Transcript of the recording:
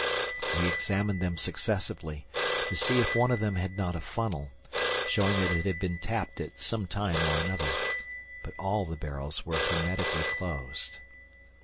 We examined them successively, to see if one of them had not a funnel, showing that it had been tapped at some time or another. But all the barrels were hermetically closed.